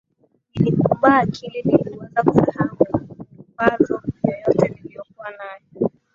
Nilipumbaa akili Niliweza kusahau mikazo yoyote niliyokuwa nayo